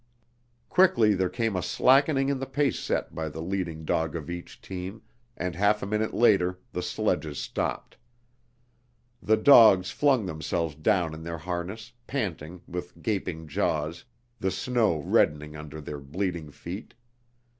Quickly there came a slackening in the pace set by the leading dog of each team, and half a minute later the sledges stopped. The dogs flung themselves down in their harness, panting, with gaping jaws, the snow reddening under their bleeding feet.